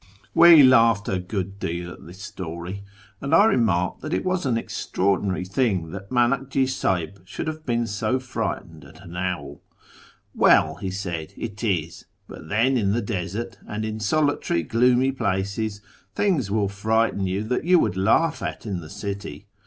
"We laughed a good deal at this story, and I remarked that it was an extraordinary thing that M;inakji S;ihib should have been so frightened at an owl. " AVell," he said, " it is. But then in the desert, and in solitary, gloomy places, things will frighten you that you would laugh at in the city.